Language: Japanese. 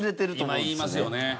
今言いますよね。